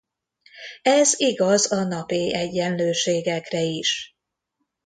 Ez igaz a nap-éj egyenlőségekre is.